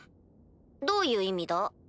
どういう意味だ？